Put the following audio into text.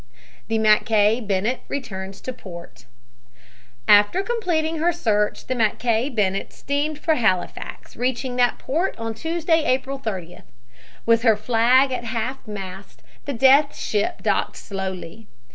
THE MACKAY BENNETT RETURNS TO PORT After completing her search the Mackay Bennett steamed for Halifax, reaching that port on Tuesday, April 30th. With her flag at half mast, the death ship docked slowly.